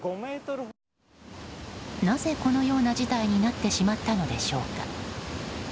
なぜこのような事態になってしまったのでしょうか。